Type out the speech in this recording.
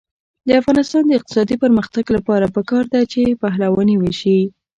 د افغانستان د اقتصادي پرمختګ لپاره پکار ده چې پهلواني وشي.